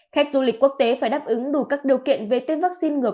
khách du lịch quốc tế phải đáp ứng đủ các điều kiện về tiết vaccine ngược